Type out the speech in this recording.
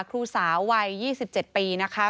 ครูสาววัย๒๗ปีนะคะ